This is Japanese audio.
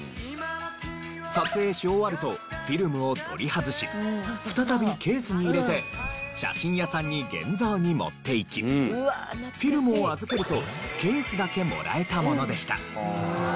撮影し終わるとフィルムを取り外し再びケースに入れて写真屋さんに現像に持っていきフィルムを預けるとケースだけもらえたものでした。